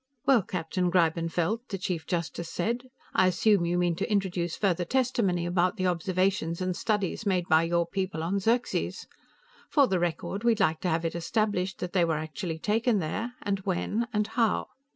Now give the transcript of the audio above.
"Well, Captain Greibenfeld," the Chief Justice said, "I assume you mean to introduce further testimony about the observations and studies made by your people on Xerxes. For the record, we'd like to have it established that they were actually taken there, and when, and how."